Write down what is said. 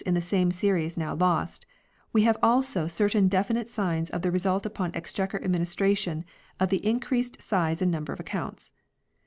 278 FINANCIAL RECORDS the same series now lost ; we have also certain definite signs of the result upon Exchequer administration of the increased size and number of accounts.